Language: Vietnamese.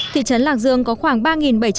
thị trấn lạc dương có khoảng ba người